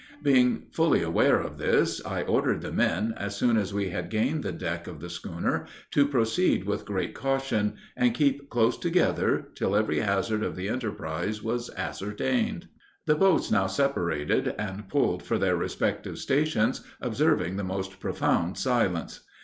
Being fully aware of this, I ordered the men, as soon as we had gained the deck of the schooner, to proceed with great caution, and keep close together, till every hazard of the enterprize was ascertained. The boats now separated, and pulled for their respective stations, observing the most profound silence.